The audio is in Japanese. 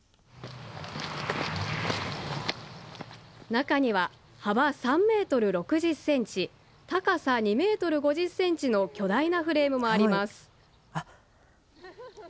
中には幅３メートル６０センチ高さ２メートル５０センチの巨大なフレームもあります。